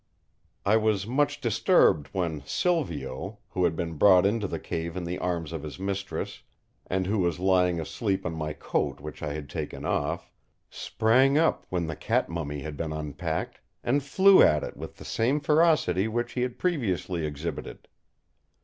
I was much disturbed when Silvio, who had been brought into the cave in the arms of his mistress, and who was lying asleep on my coat which I had taken off, sprang up when the cat mummy had been unpacked, and flew at it with the same ferocity which he had previously exhibited.